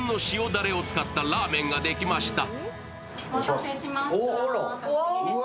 だれを使ったラーメンができました。